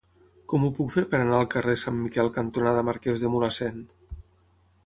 Com ho puc fer per anar al carrer Sant Miquel cantonada Marquès de Mulhacén?